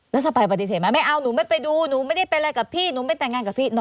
แล้วสปายปฏิเสธไหมไม่เอาหนูไม่ไปดูหนูไม่ได้เป็นอะไรกับพี่หนูไม่แต่งงานกับพี่เนอ